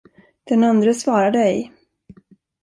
Den andre svarade ej.